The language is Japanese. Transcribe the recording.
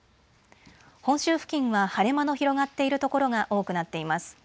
本州付近は晴れ間の広がっている所が多くなっています。